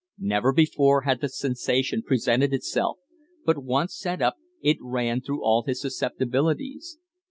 Never before had the sensation presented itself, but, once set up, it ran through all his susceptibilities.